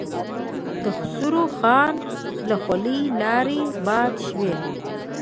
د خسرو خان له خولې لاړې باد شوې.